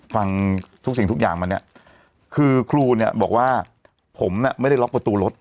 ฟังทุกสิ่งทุกอย่างมาเนี่ยคือครูเนี่ยบอกว่าผมน่ะไม่ได้ล็อกประตูรถ